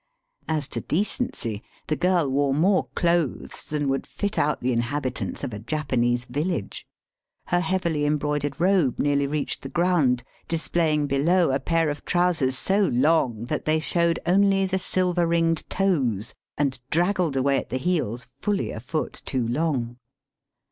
As to decency, the girl wore more clothes than would fit out the inhabitants of a Japanese village. Her heavily embroidered robe nearly reached the ground, displajdng below a pair of trousers so long that they showed only the fsilver ringed toes and draggled away at the heels, fully a foot too long.